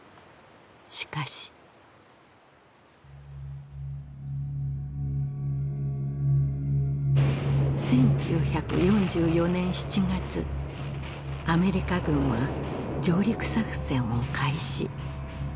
しかし１９４４年７月アメリカ軍は上陸作戦を開始